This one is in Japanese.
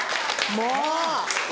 もう！